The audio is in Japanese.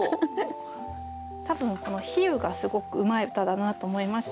多分比喩がすごくうまい歌だなと思いました。